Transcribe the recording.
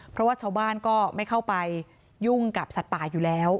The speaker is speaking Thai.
เพราะว่าชาวบ้านก็ไม่เข้าไปยุ่งกับสัตว์ป่าอยู่แล้ว